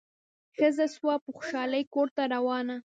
ښځه سوه په خوشالي کورته روانه